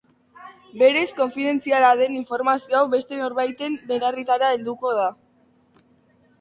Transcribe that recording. Berez konfidentziala den informazio hau beste norbaiten belarrietara helduko da.